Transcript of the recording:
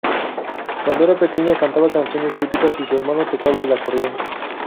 Cuando era pequeña, cantaba canciones típicas y su hermano tocaba el acordeón.